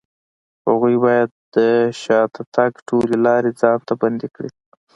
هغوی بايد د شاته تګ ټولې لارې ځان ته بندې کړي.